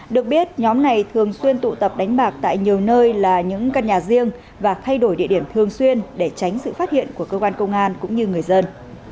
được biết nhóm này thường xuyên tụ tập đánh bạc tại nhiều nơi là những căn nhà riêng và thay đổi địa điểm thường xuyên để tránh sự phát hiện của cơ quan công an cũng như người dân